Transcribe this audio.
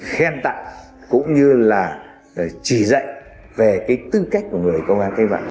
khen tặng cũng như là chỉ dạy về cái tư cách của người công an thế vận